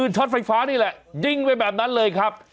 ช็อตไฟฟ้านี่แหละยิงไปแบบนั้นเลยครับ